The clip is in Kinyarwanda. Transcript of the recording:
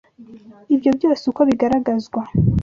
Ibyo byose uko bigaragazwa,